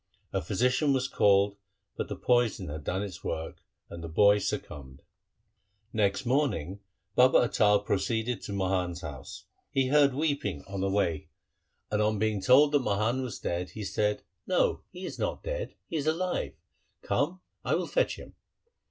A physician was called, but the poison had done its work, and the boy succumbed. Next morning Baba Atal proceeded to Mohan's house. He heard weeping on the way, and on being LIFE OF GURU HAR GOBIND 131 told that Mohan was dead, said, ' No, he is not dead. He is alive. Come, I will fetch him.'